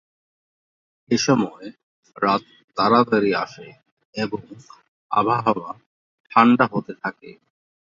এসময় রাত তাড়াতাড়ি আসে এবং আবহাওয়া ঠাণ্ডা হতে থাকে।